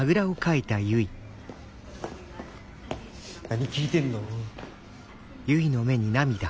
何聴いてんの？